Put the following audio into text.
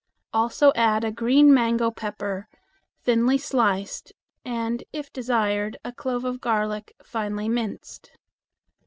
Also add a green mango pepper thinly sliced, and if desired a clove of garlic, finely minced.